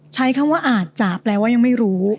ใช้คำว่าอาจจาบแล้วยังไม่รู้